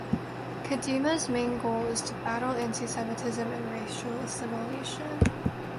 Kadimah's main goal is to battle anti-Semitism and racial assimilation.